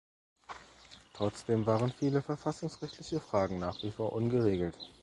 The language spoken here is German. Trotzdem waren viele verfassungsrechtliche Fragen nach wie vor ungeregelt.